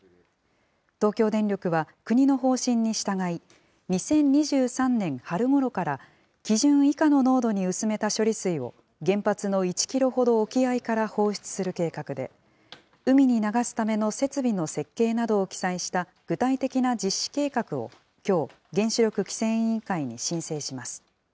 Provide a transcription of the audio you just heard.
東京電力は国の方針に従い、２０２３年春ごろから基準以下の濃度に薄めた処理水を原発の１キロほど沖合から放出する計画で、海に流すための設備の設計などを記載した、具体的な実施計画をきょう、原子力規制委員会に申請します。